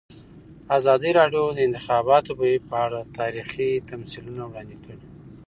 ازادي راډیو د د انتخاباتو بهیر په اړه تاریخي تمثیلونه وړاندې کړي.